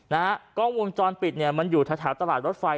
นะฮะกล้องวงจรปิดเนี่ยมันอยู่ท้ายท้ายตลาดรถไฟ